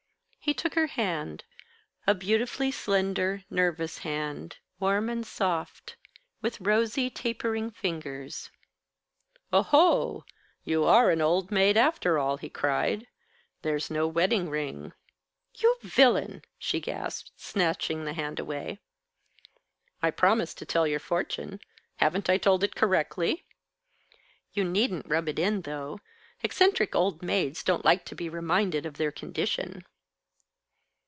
He took her hand, a beautifully slender, nervous hand, warm and soft, with rosy, tapering fingers. "Oho! you are an old maid after all," he cried. "There's no wedding ring." "You villain!" she gasped, snatching the hand away. "I promised to tell your fortune. Haven't I told it correctly?" "You needn't rub it in, though. Eccentric old maids don't like to be reminded of their condition."